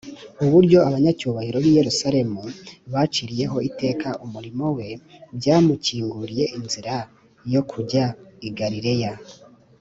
. Uburyo abanyacyubahiro b’i Yerusalemu baciriyeho iteka umurimo we byamukinguriye inzira yo kujya i Galileya